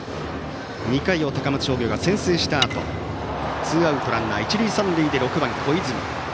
２点を高松商業が先制したあとツーアウトランナー、一塁三塁で６番、小泉。